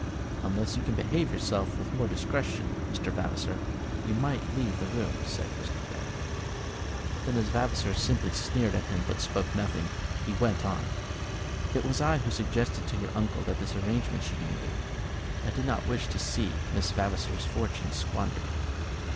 "Unless you can behave yourself with more discretion, Mr. Vavasor, you must leave the room," said Mr. Grey. Then, as Vavasor simply sneered at him, but spoke nothing, he went on. "It was I who suggested to your uncle that this arrangement should be made. I did not wish to see Miss Vavasor's fortune squandered."